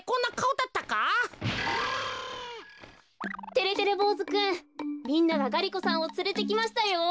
てれてれぼうずくんみんながガリ子さんをつれてきましたよ。